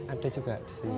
ada juga di sini